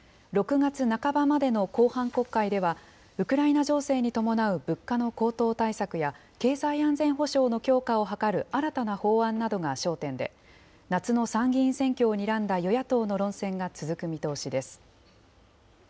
６月半ばまでの後半国会では、ウクライナ情勢に伴う物価の高騰対策や、経済安全保障の強化を図る新たな法案などが焦点で、夏の参議院選挙をにらんだ与野党の論戦が続く見通しです。